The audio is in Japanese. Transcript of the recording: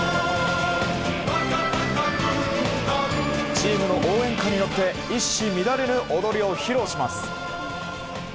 チームの応援歌によって一糸乱れぬ踊りを披露します。